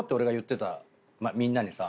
みんなにさ。